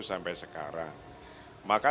sampai sekarang maka